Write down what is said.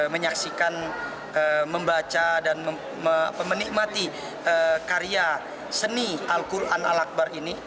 menyaksikan membaca dan menikmati karya seni al quran al akbar ini